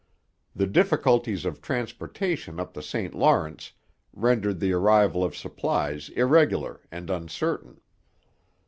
The difficulties of transportation up the St Lawrence rendered the arrival of supplies irregular and uncertain.